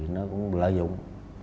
nó cũng lợi dụng